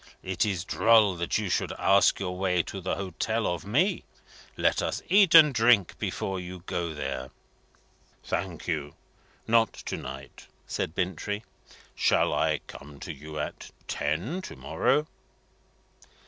It is droll that you should ask your way to the Hotel of me. Let us eat and drink before you go there." "Thank you; not to night," said Bintrey. "Shall I come to you at ten to morrow?"